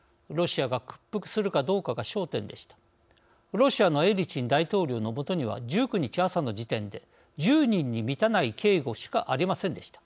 ロシアのエリツィン大統領のもとには１９日朝の時点で１０人に満たない警護しかありませんでした。